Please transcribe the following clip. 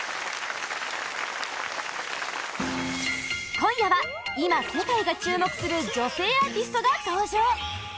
今夜は今、世界が注目する女性アーティストが登場